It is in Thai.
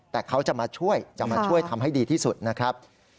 แต่เขาจะมาช่วยจะมาช่วยทำให้ดีที่สุดนะครับ